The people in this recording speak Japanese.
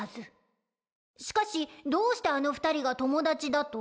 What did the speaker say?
しかしどうしてあの２人が友達だと？